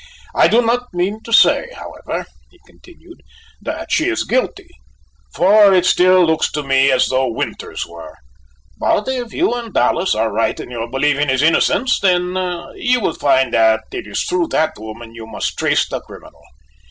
I do not mean to say, however," he continued, "that she is guilty, for it still looks to me as though Winters were, but if you and Dallas are right in your belief in his innocence, then you will find that it is through that woman you must trace the criminal.